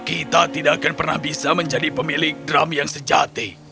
kita tidak akan pernah bisa menjadi pemilik drum yang sejati